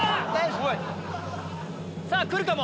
あ‼来るかも！